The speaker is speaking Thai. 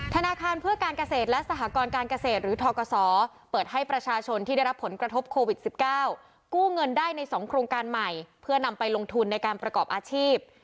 ธนาคารเพื่อการเกษตรและสหกรการเกษตรหรือทกศเปิดให้ประชาชนที่ได้รับผลกระทบโควิด๑๙กู้เงินได้ใน๒โครงการใหม่เพื่อนำไปลงทุนในการประกอบอาชีพ